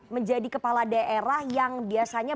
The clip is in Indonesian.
menjadi kepala daerah yang biasanya